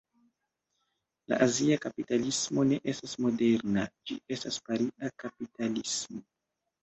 La azia kapitalismo ne estas moderna, ĝi estas paria kapitalismo.